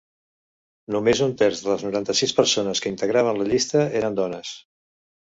Només un terç de les noranta-sis persones que integraven la llista eren dones.